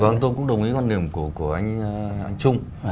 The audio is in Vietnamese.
vâng tôi cũng đồng ý quan điểm của anh trung